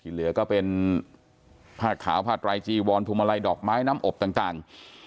เหลือก็เป็นผ้าขาวผ้าไตรจีวอนพวงมาลัยดอกไม้น้ำอบต่าง